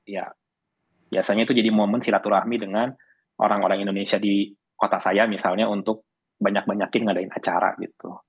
ya biasanya itu jadi momen silaturahmi dengan orang orang indonesia di kota saya misalnya untuk banyak banyakin ngadain acara gitu